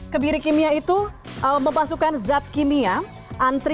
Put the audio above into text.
kebiri kimia itu memasukkan zat kimia antri